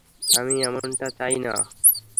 আমিও এমনটা চাই না!